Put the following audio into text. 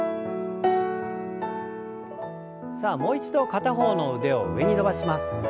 さあもう一度片方の腕を上に伸ばします。